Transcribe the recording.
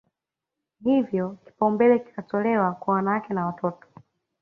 Hivyo kipaumbele kikatolewa kwa wanawake na watoto